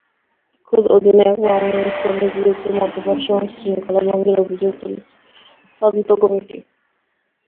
খোদ অধিনায়ক মামুনুল ইসলামের বিরুদ্ধে মদ্যপানসহ শৃঙ্খলাভঙ্গের অভিযোগ তুলেছে তদন্ত কমিটি।